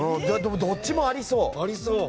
どっちもありそう。